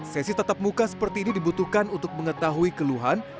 sesi tatap muka seperti ini dibutuhkan untuk mengetahui keluhan